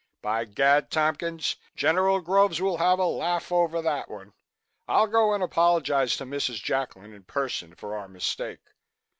By Gad, Tompkins, General Groves will have a laugh over that one. I'll go and apologize to Mrs. Jacklin in person for our mistake.